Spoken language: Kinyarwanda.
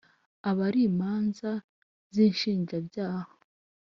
Abana ari imanza z inshinjabyaha